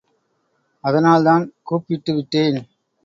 அதனால்தான் கூப்பிட்டு விட்டேன்.